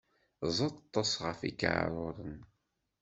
Ẓeṭṭes ɣef ikaɛruren!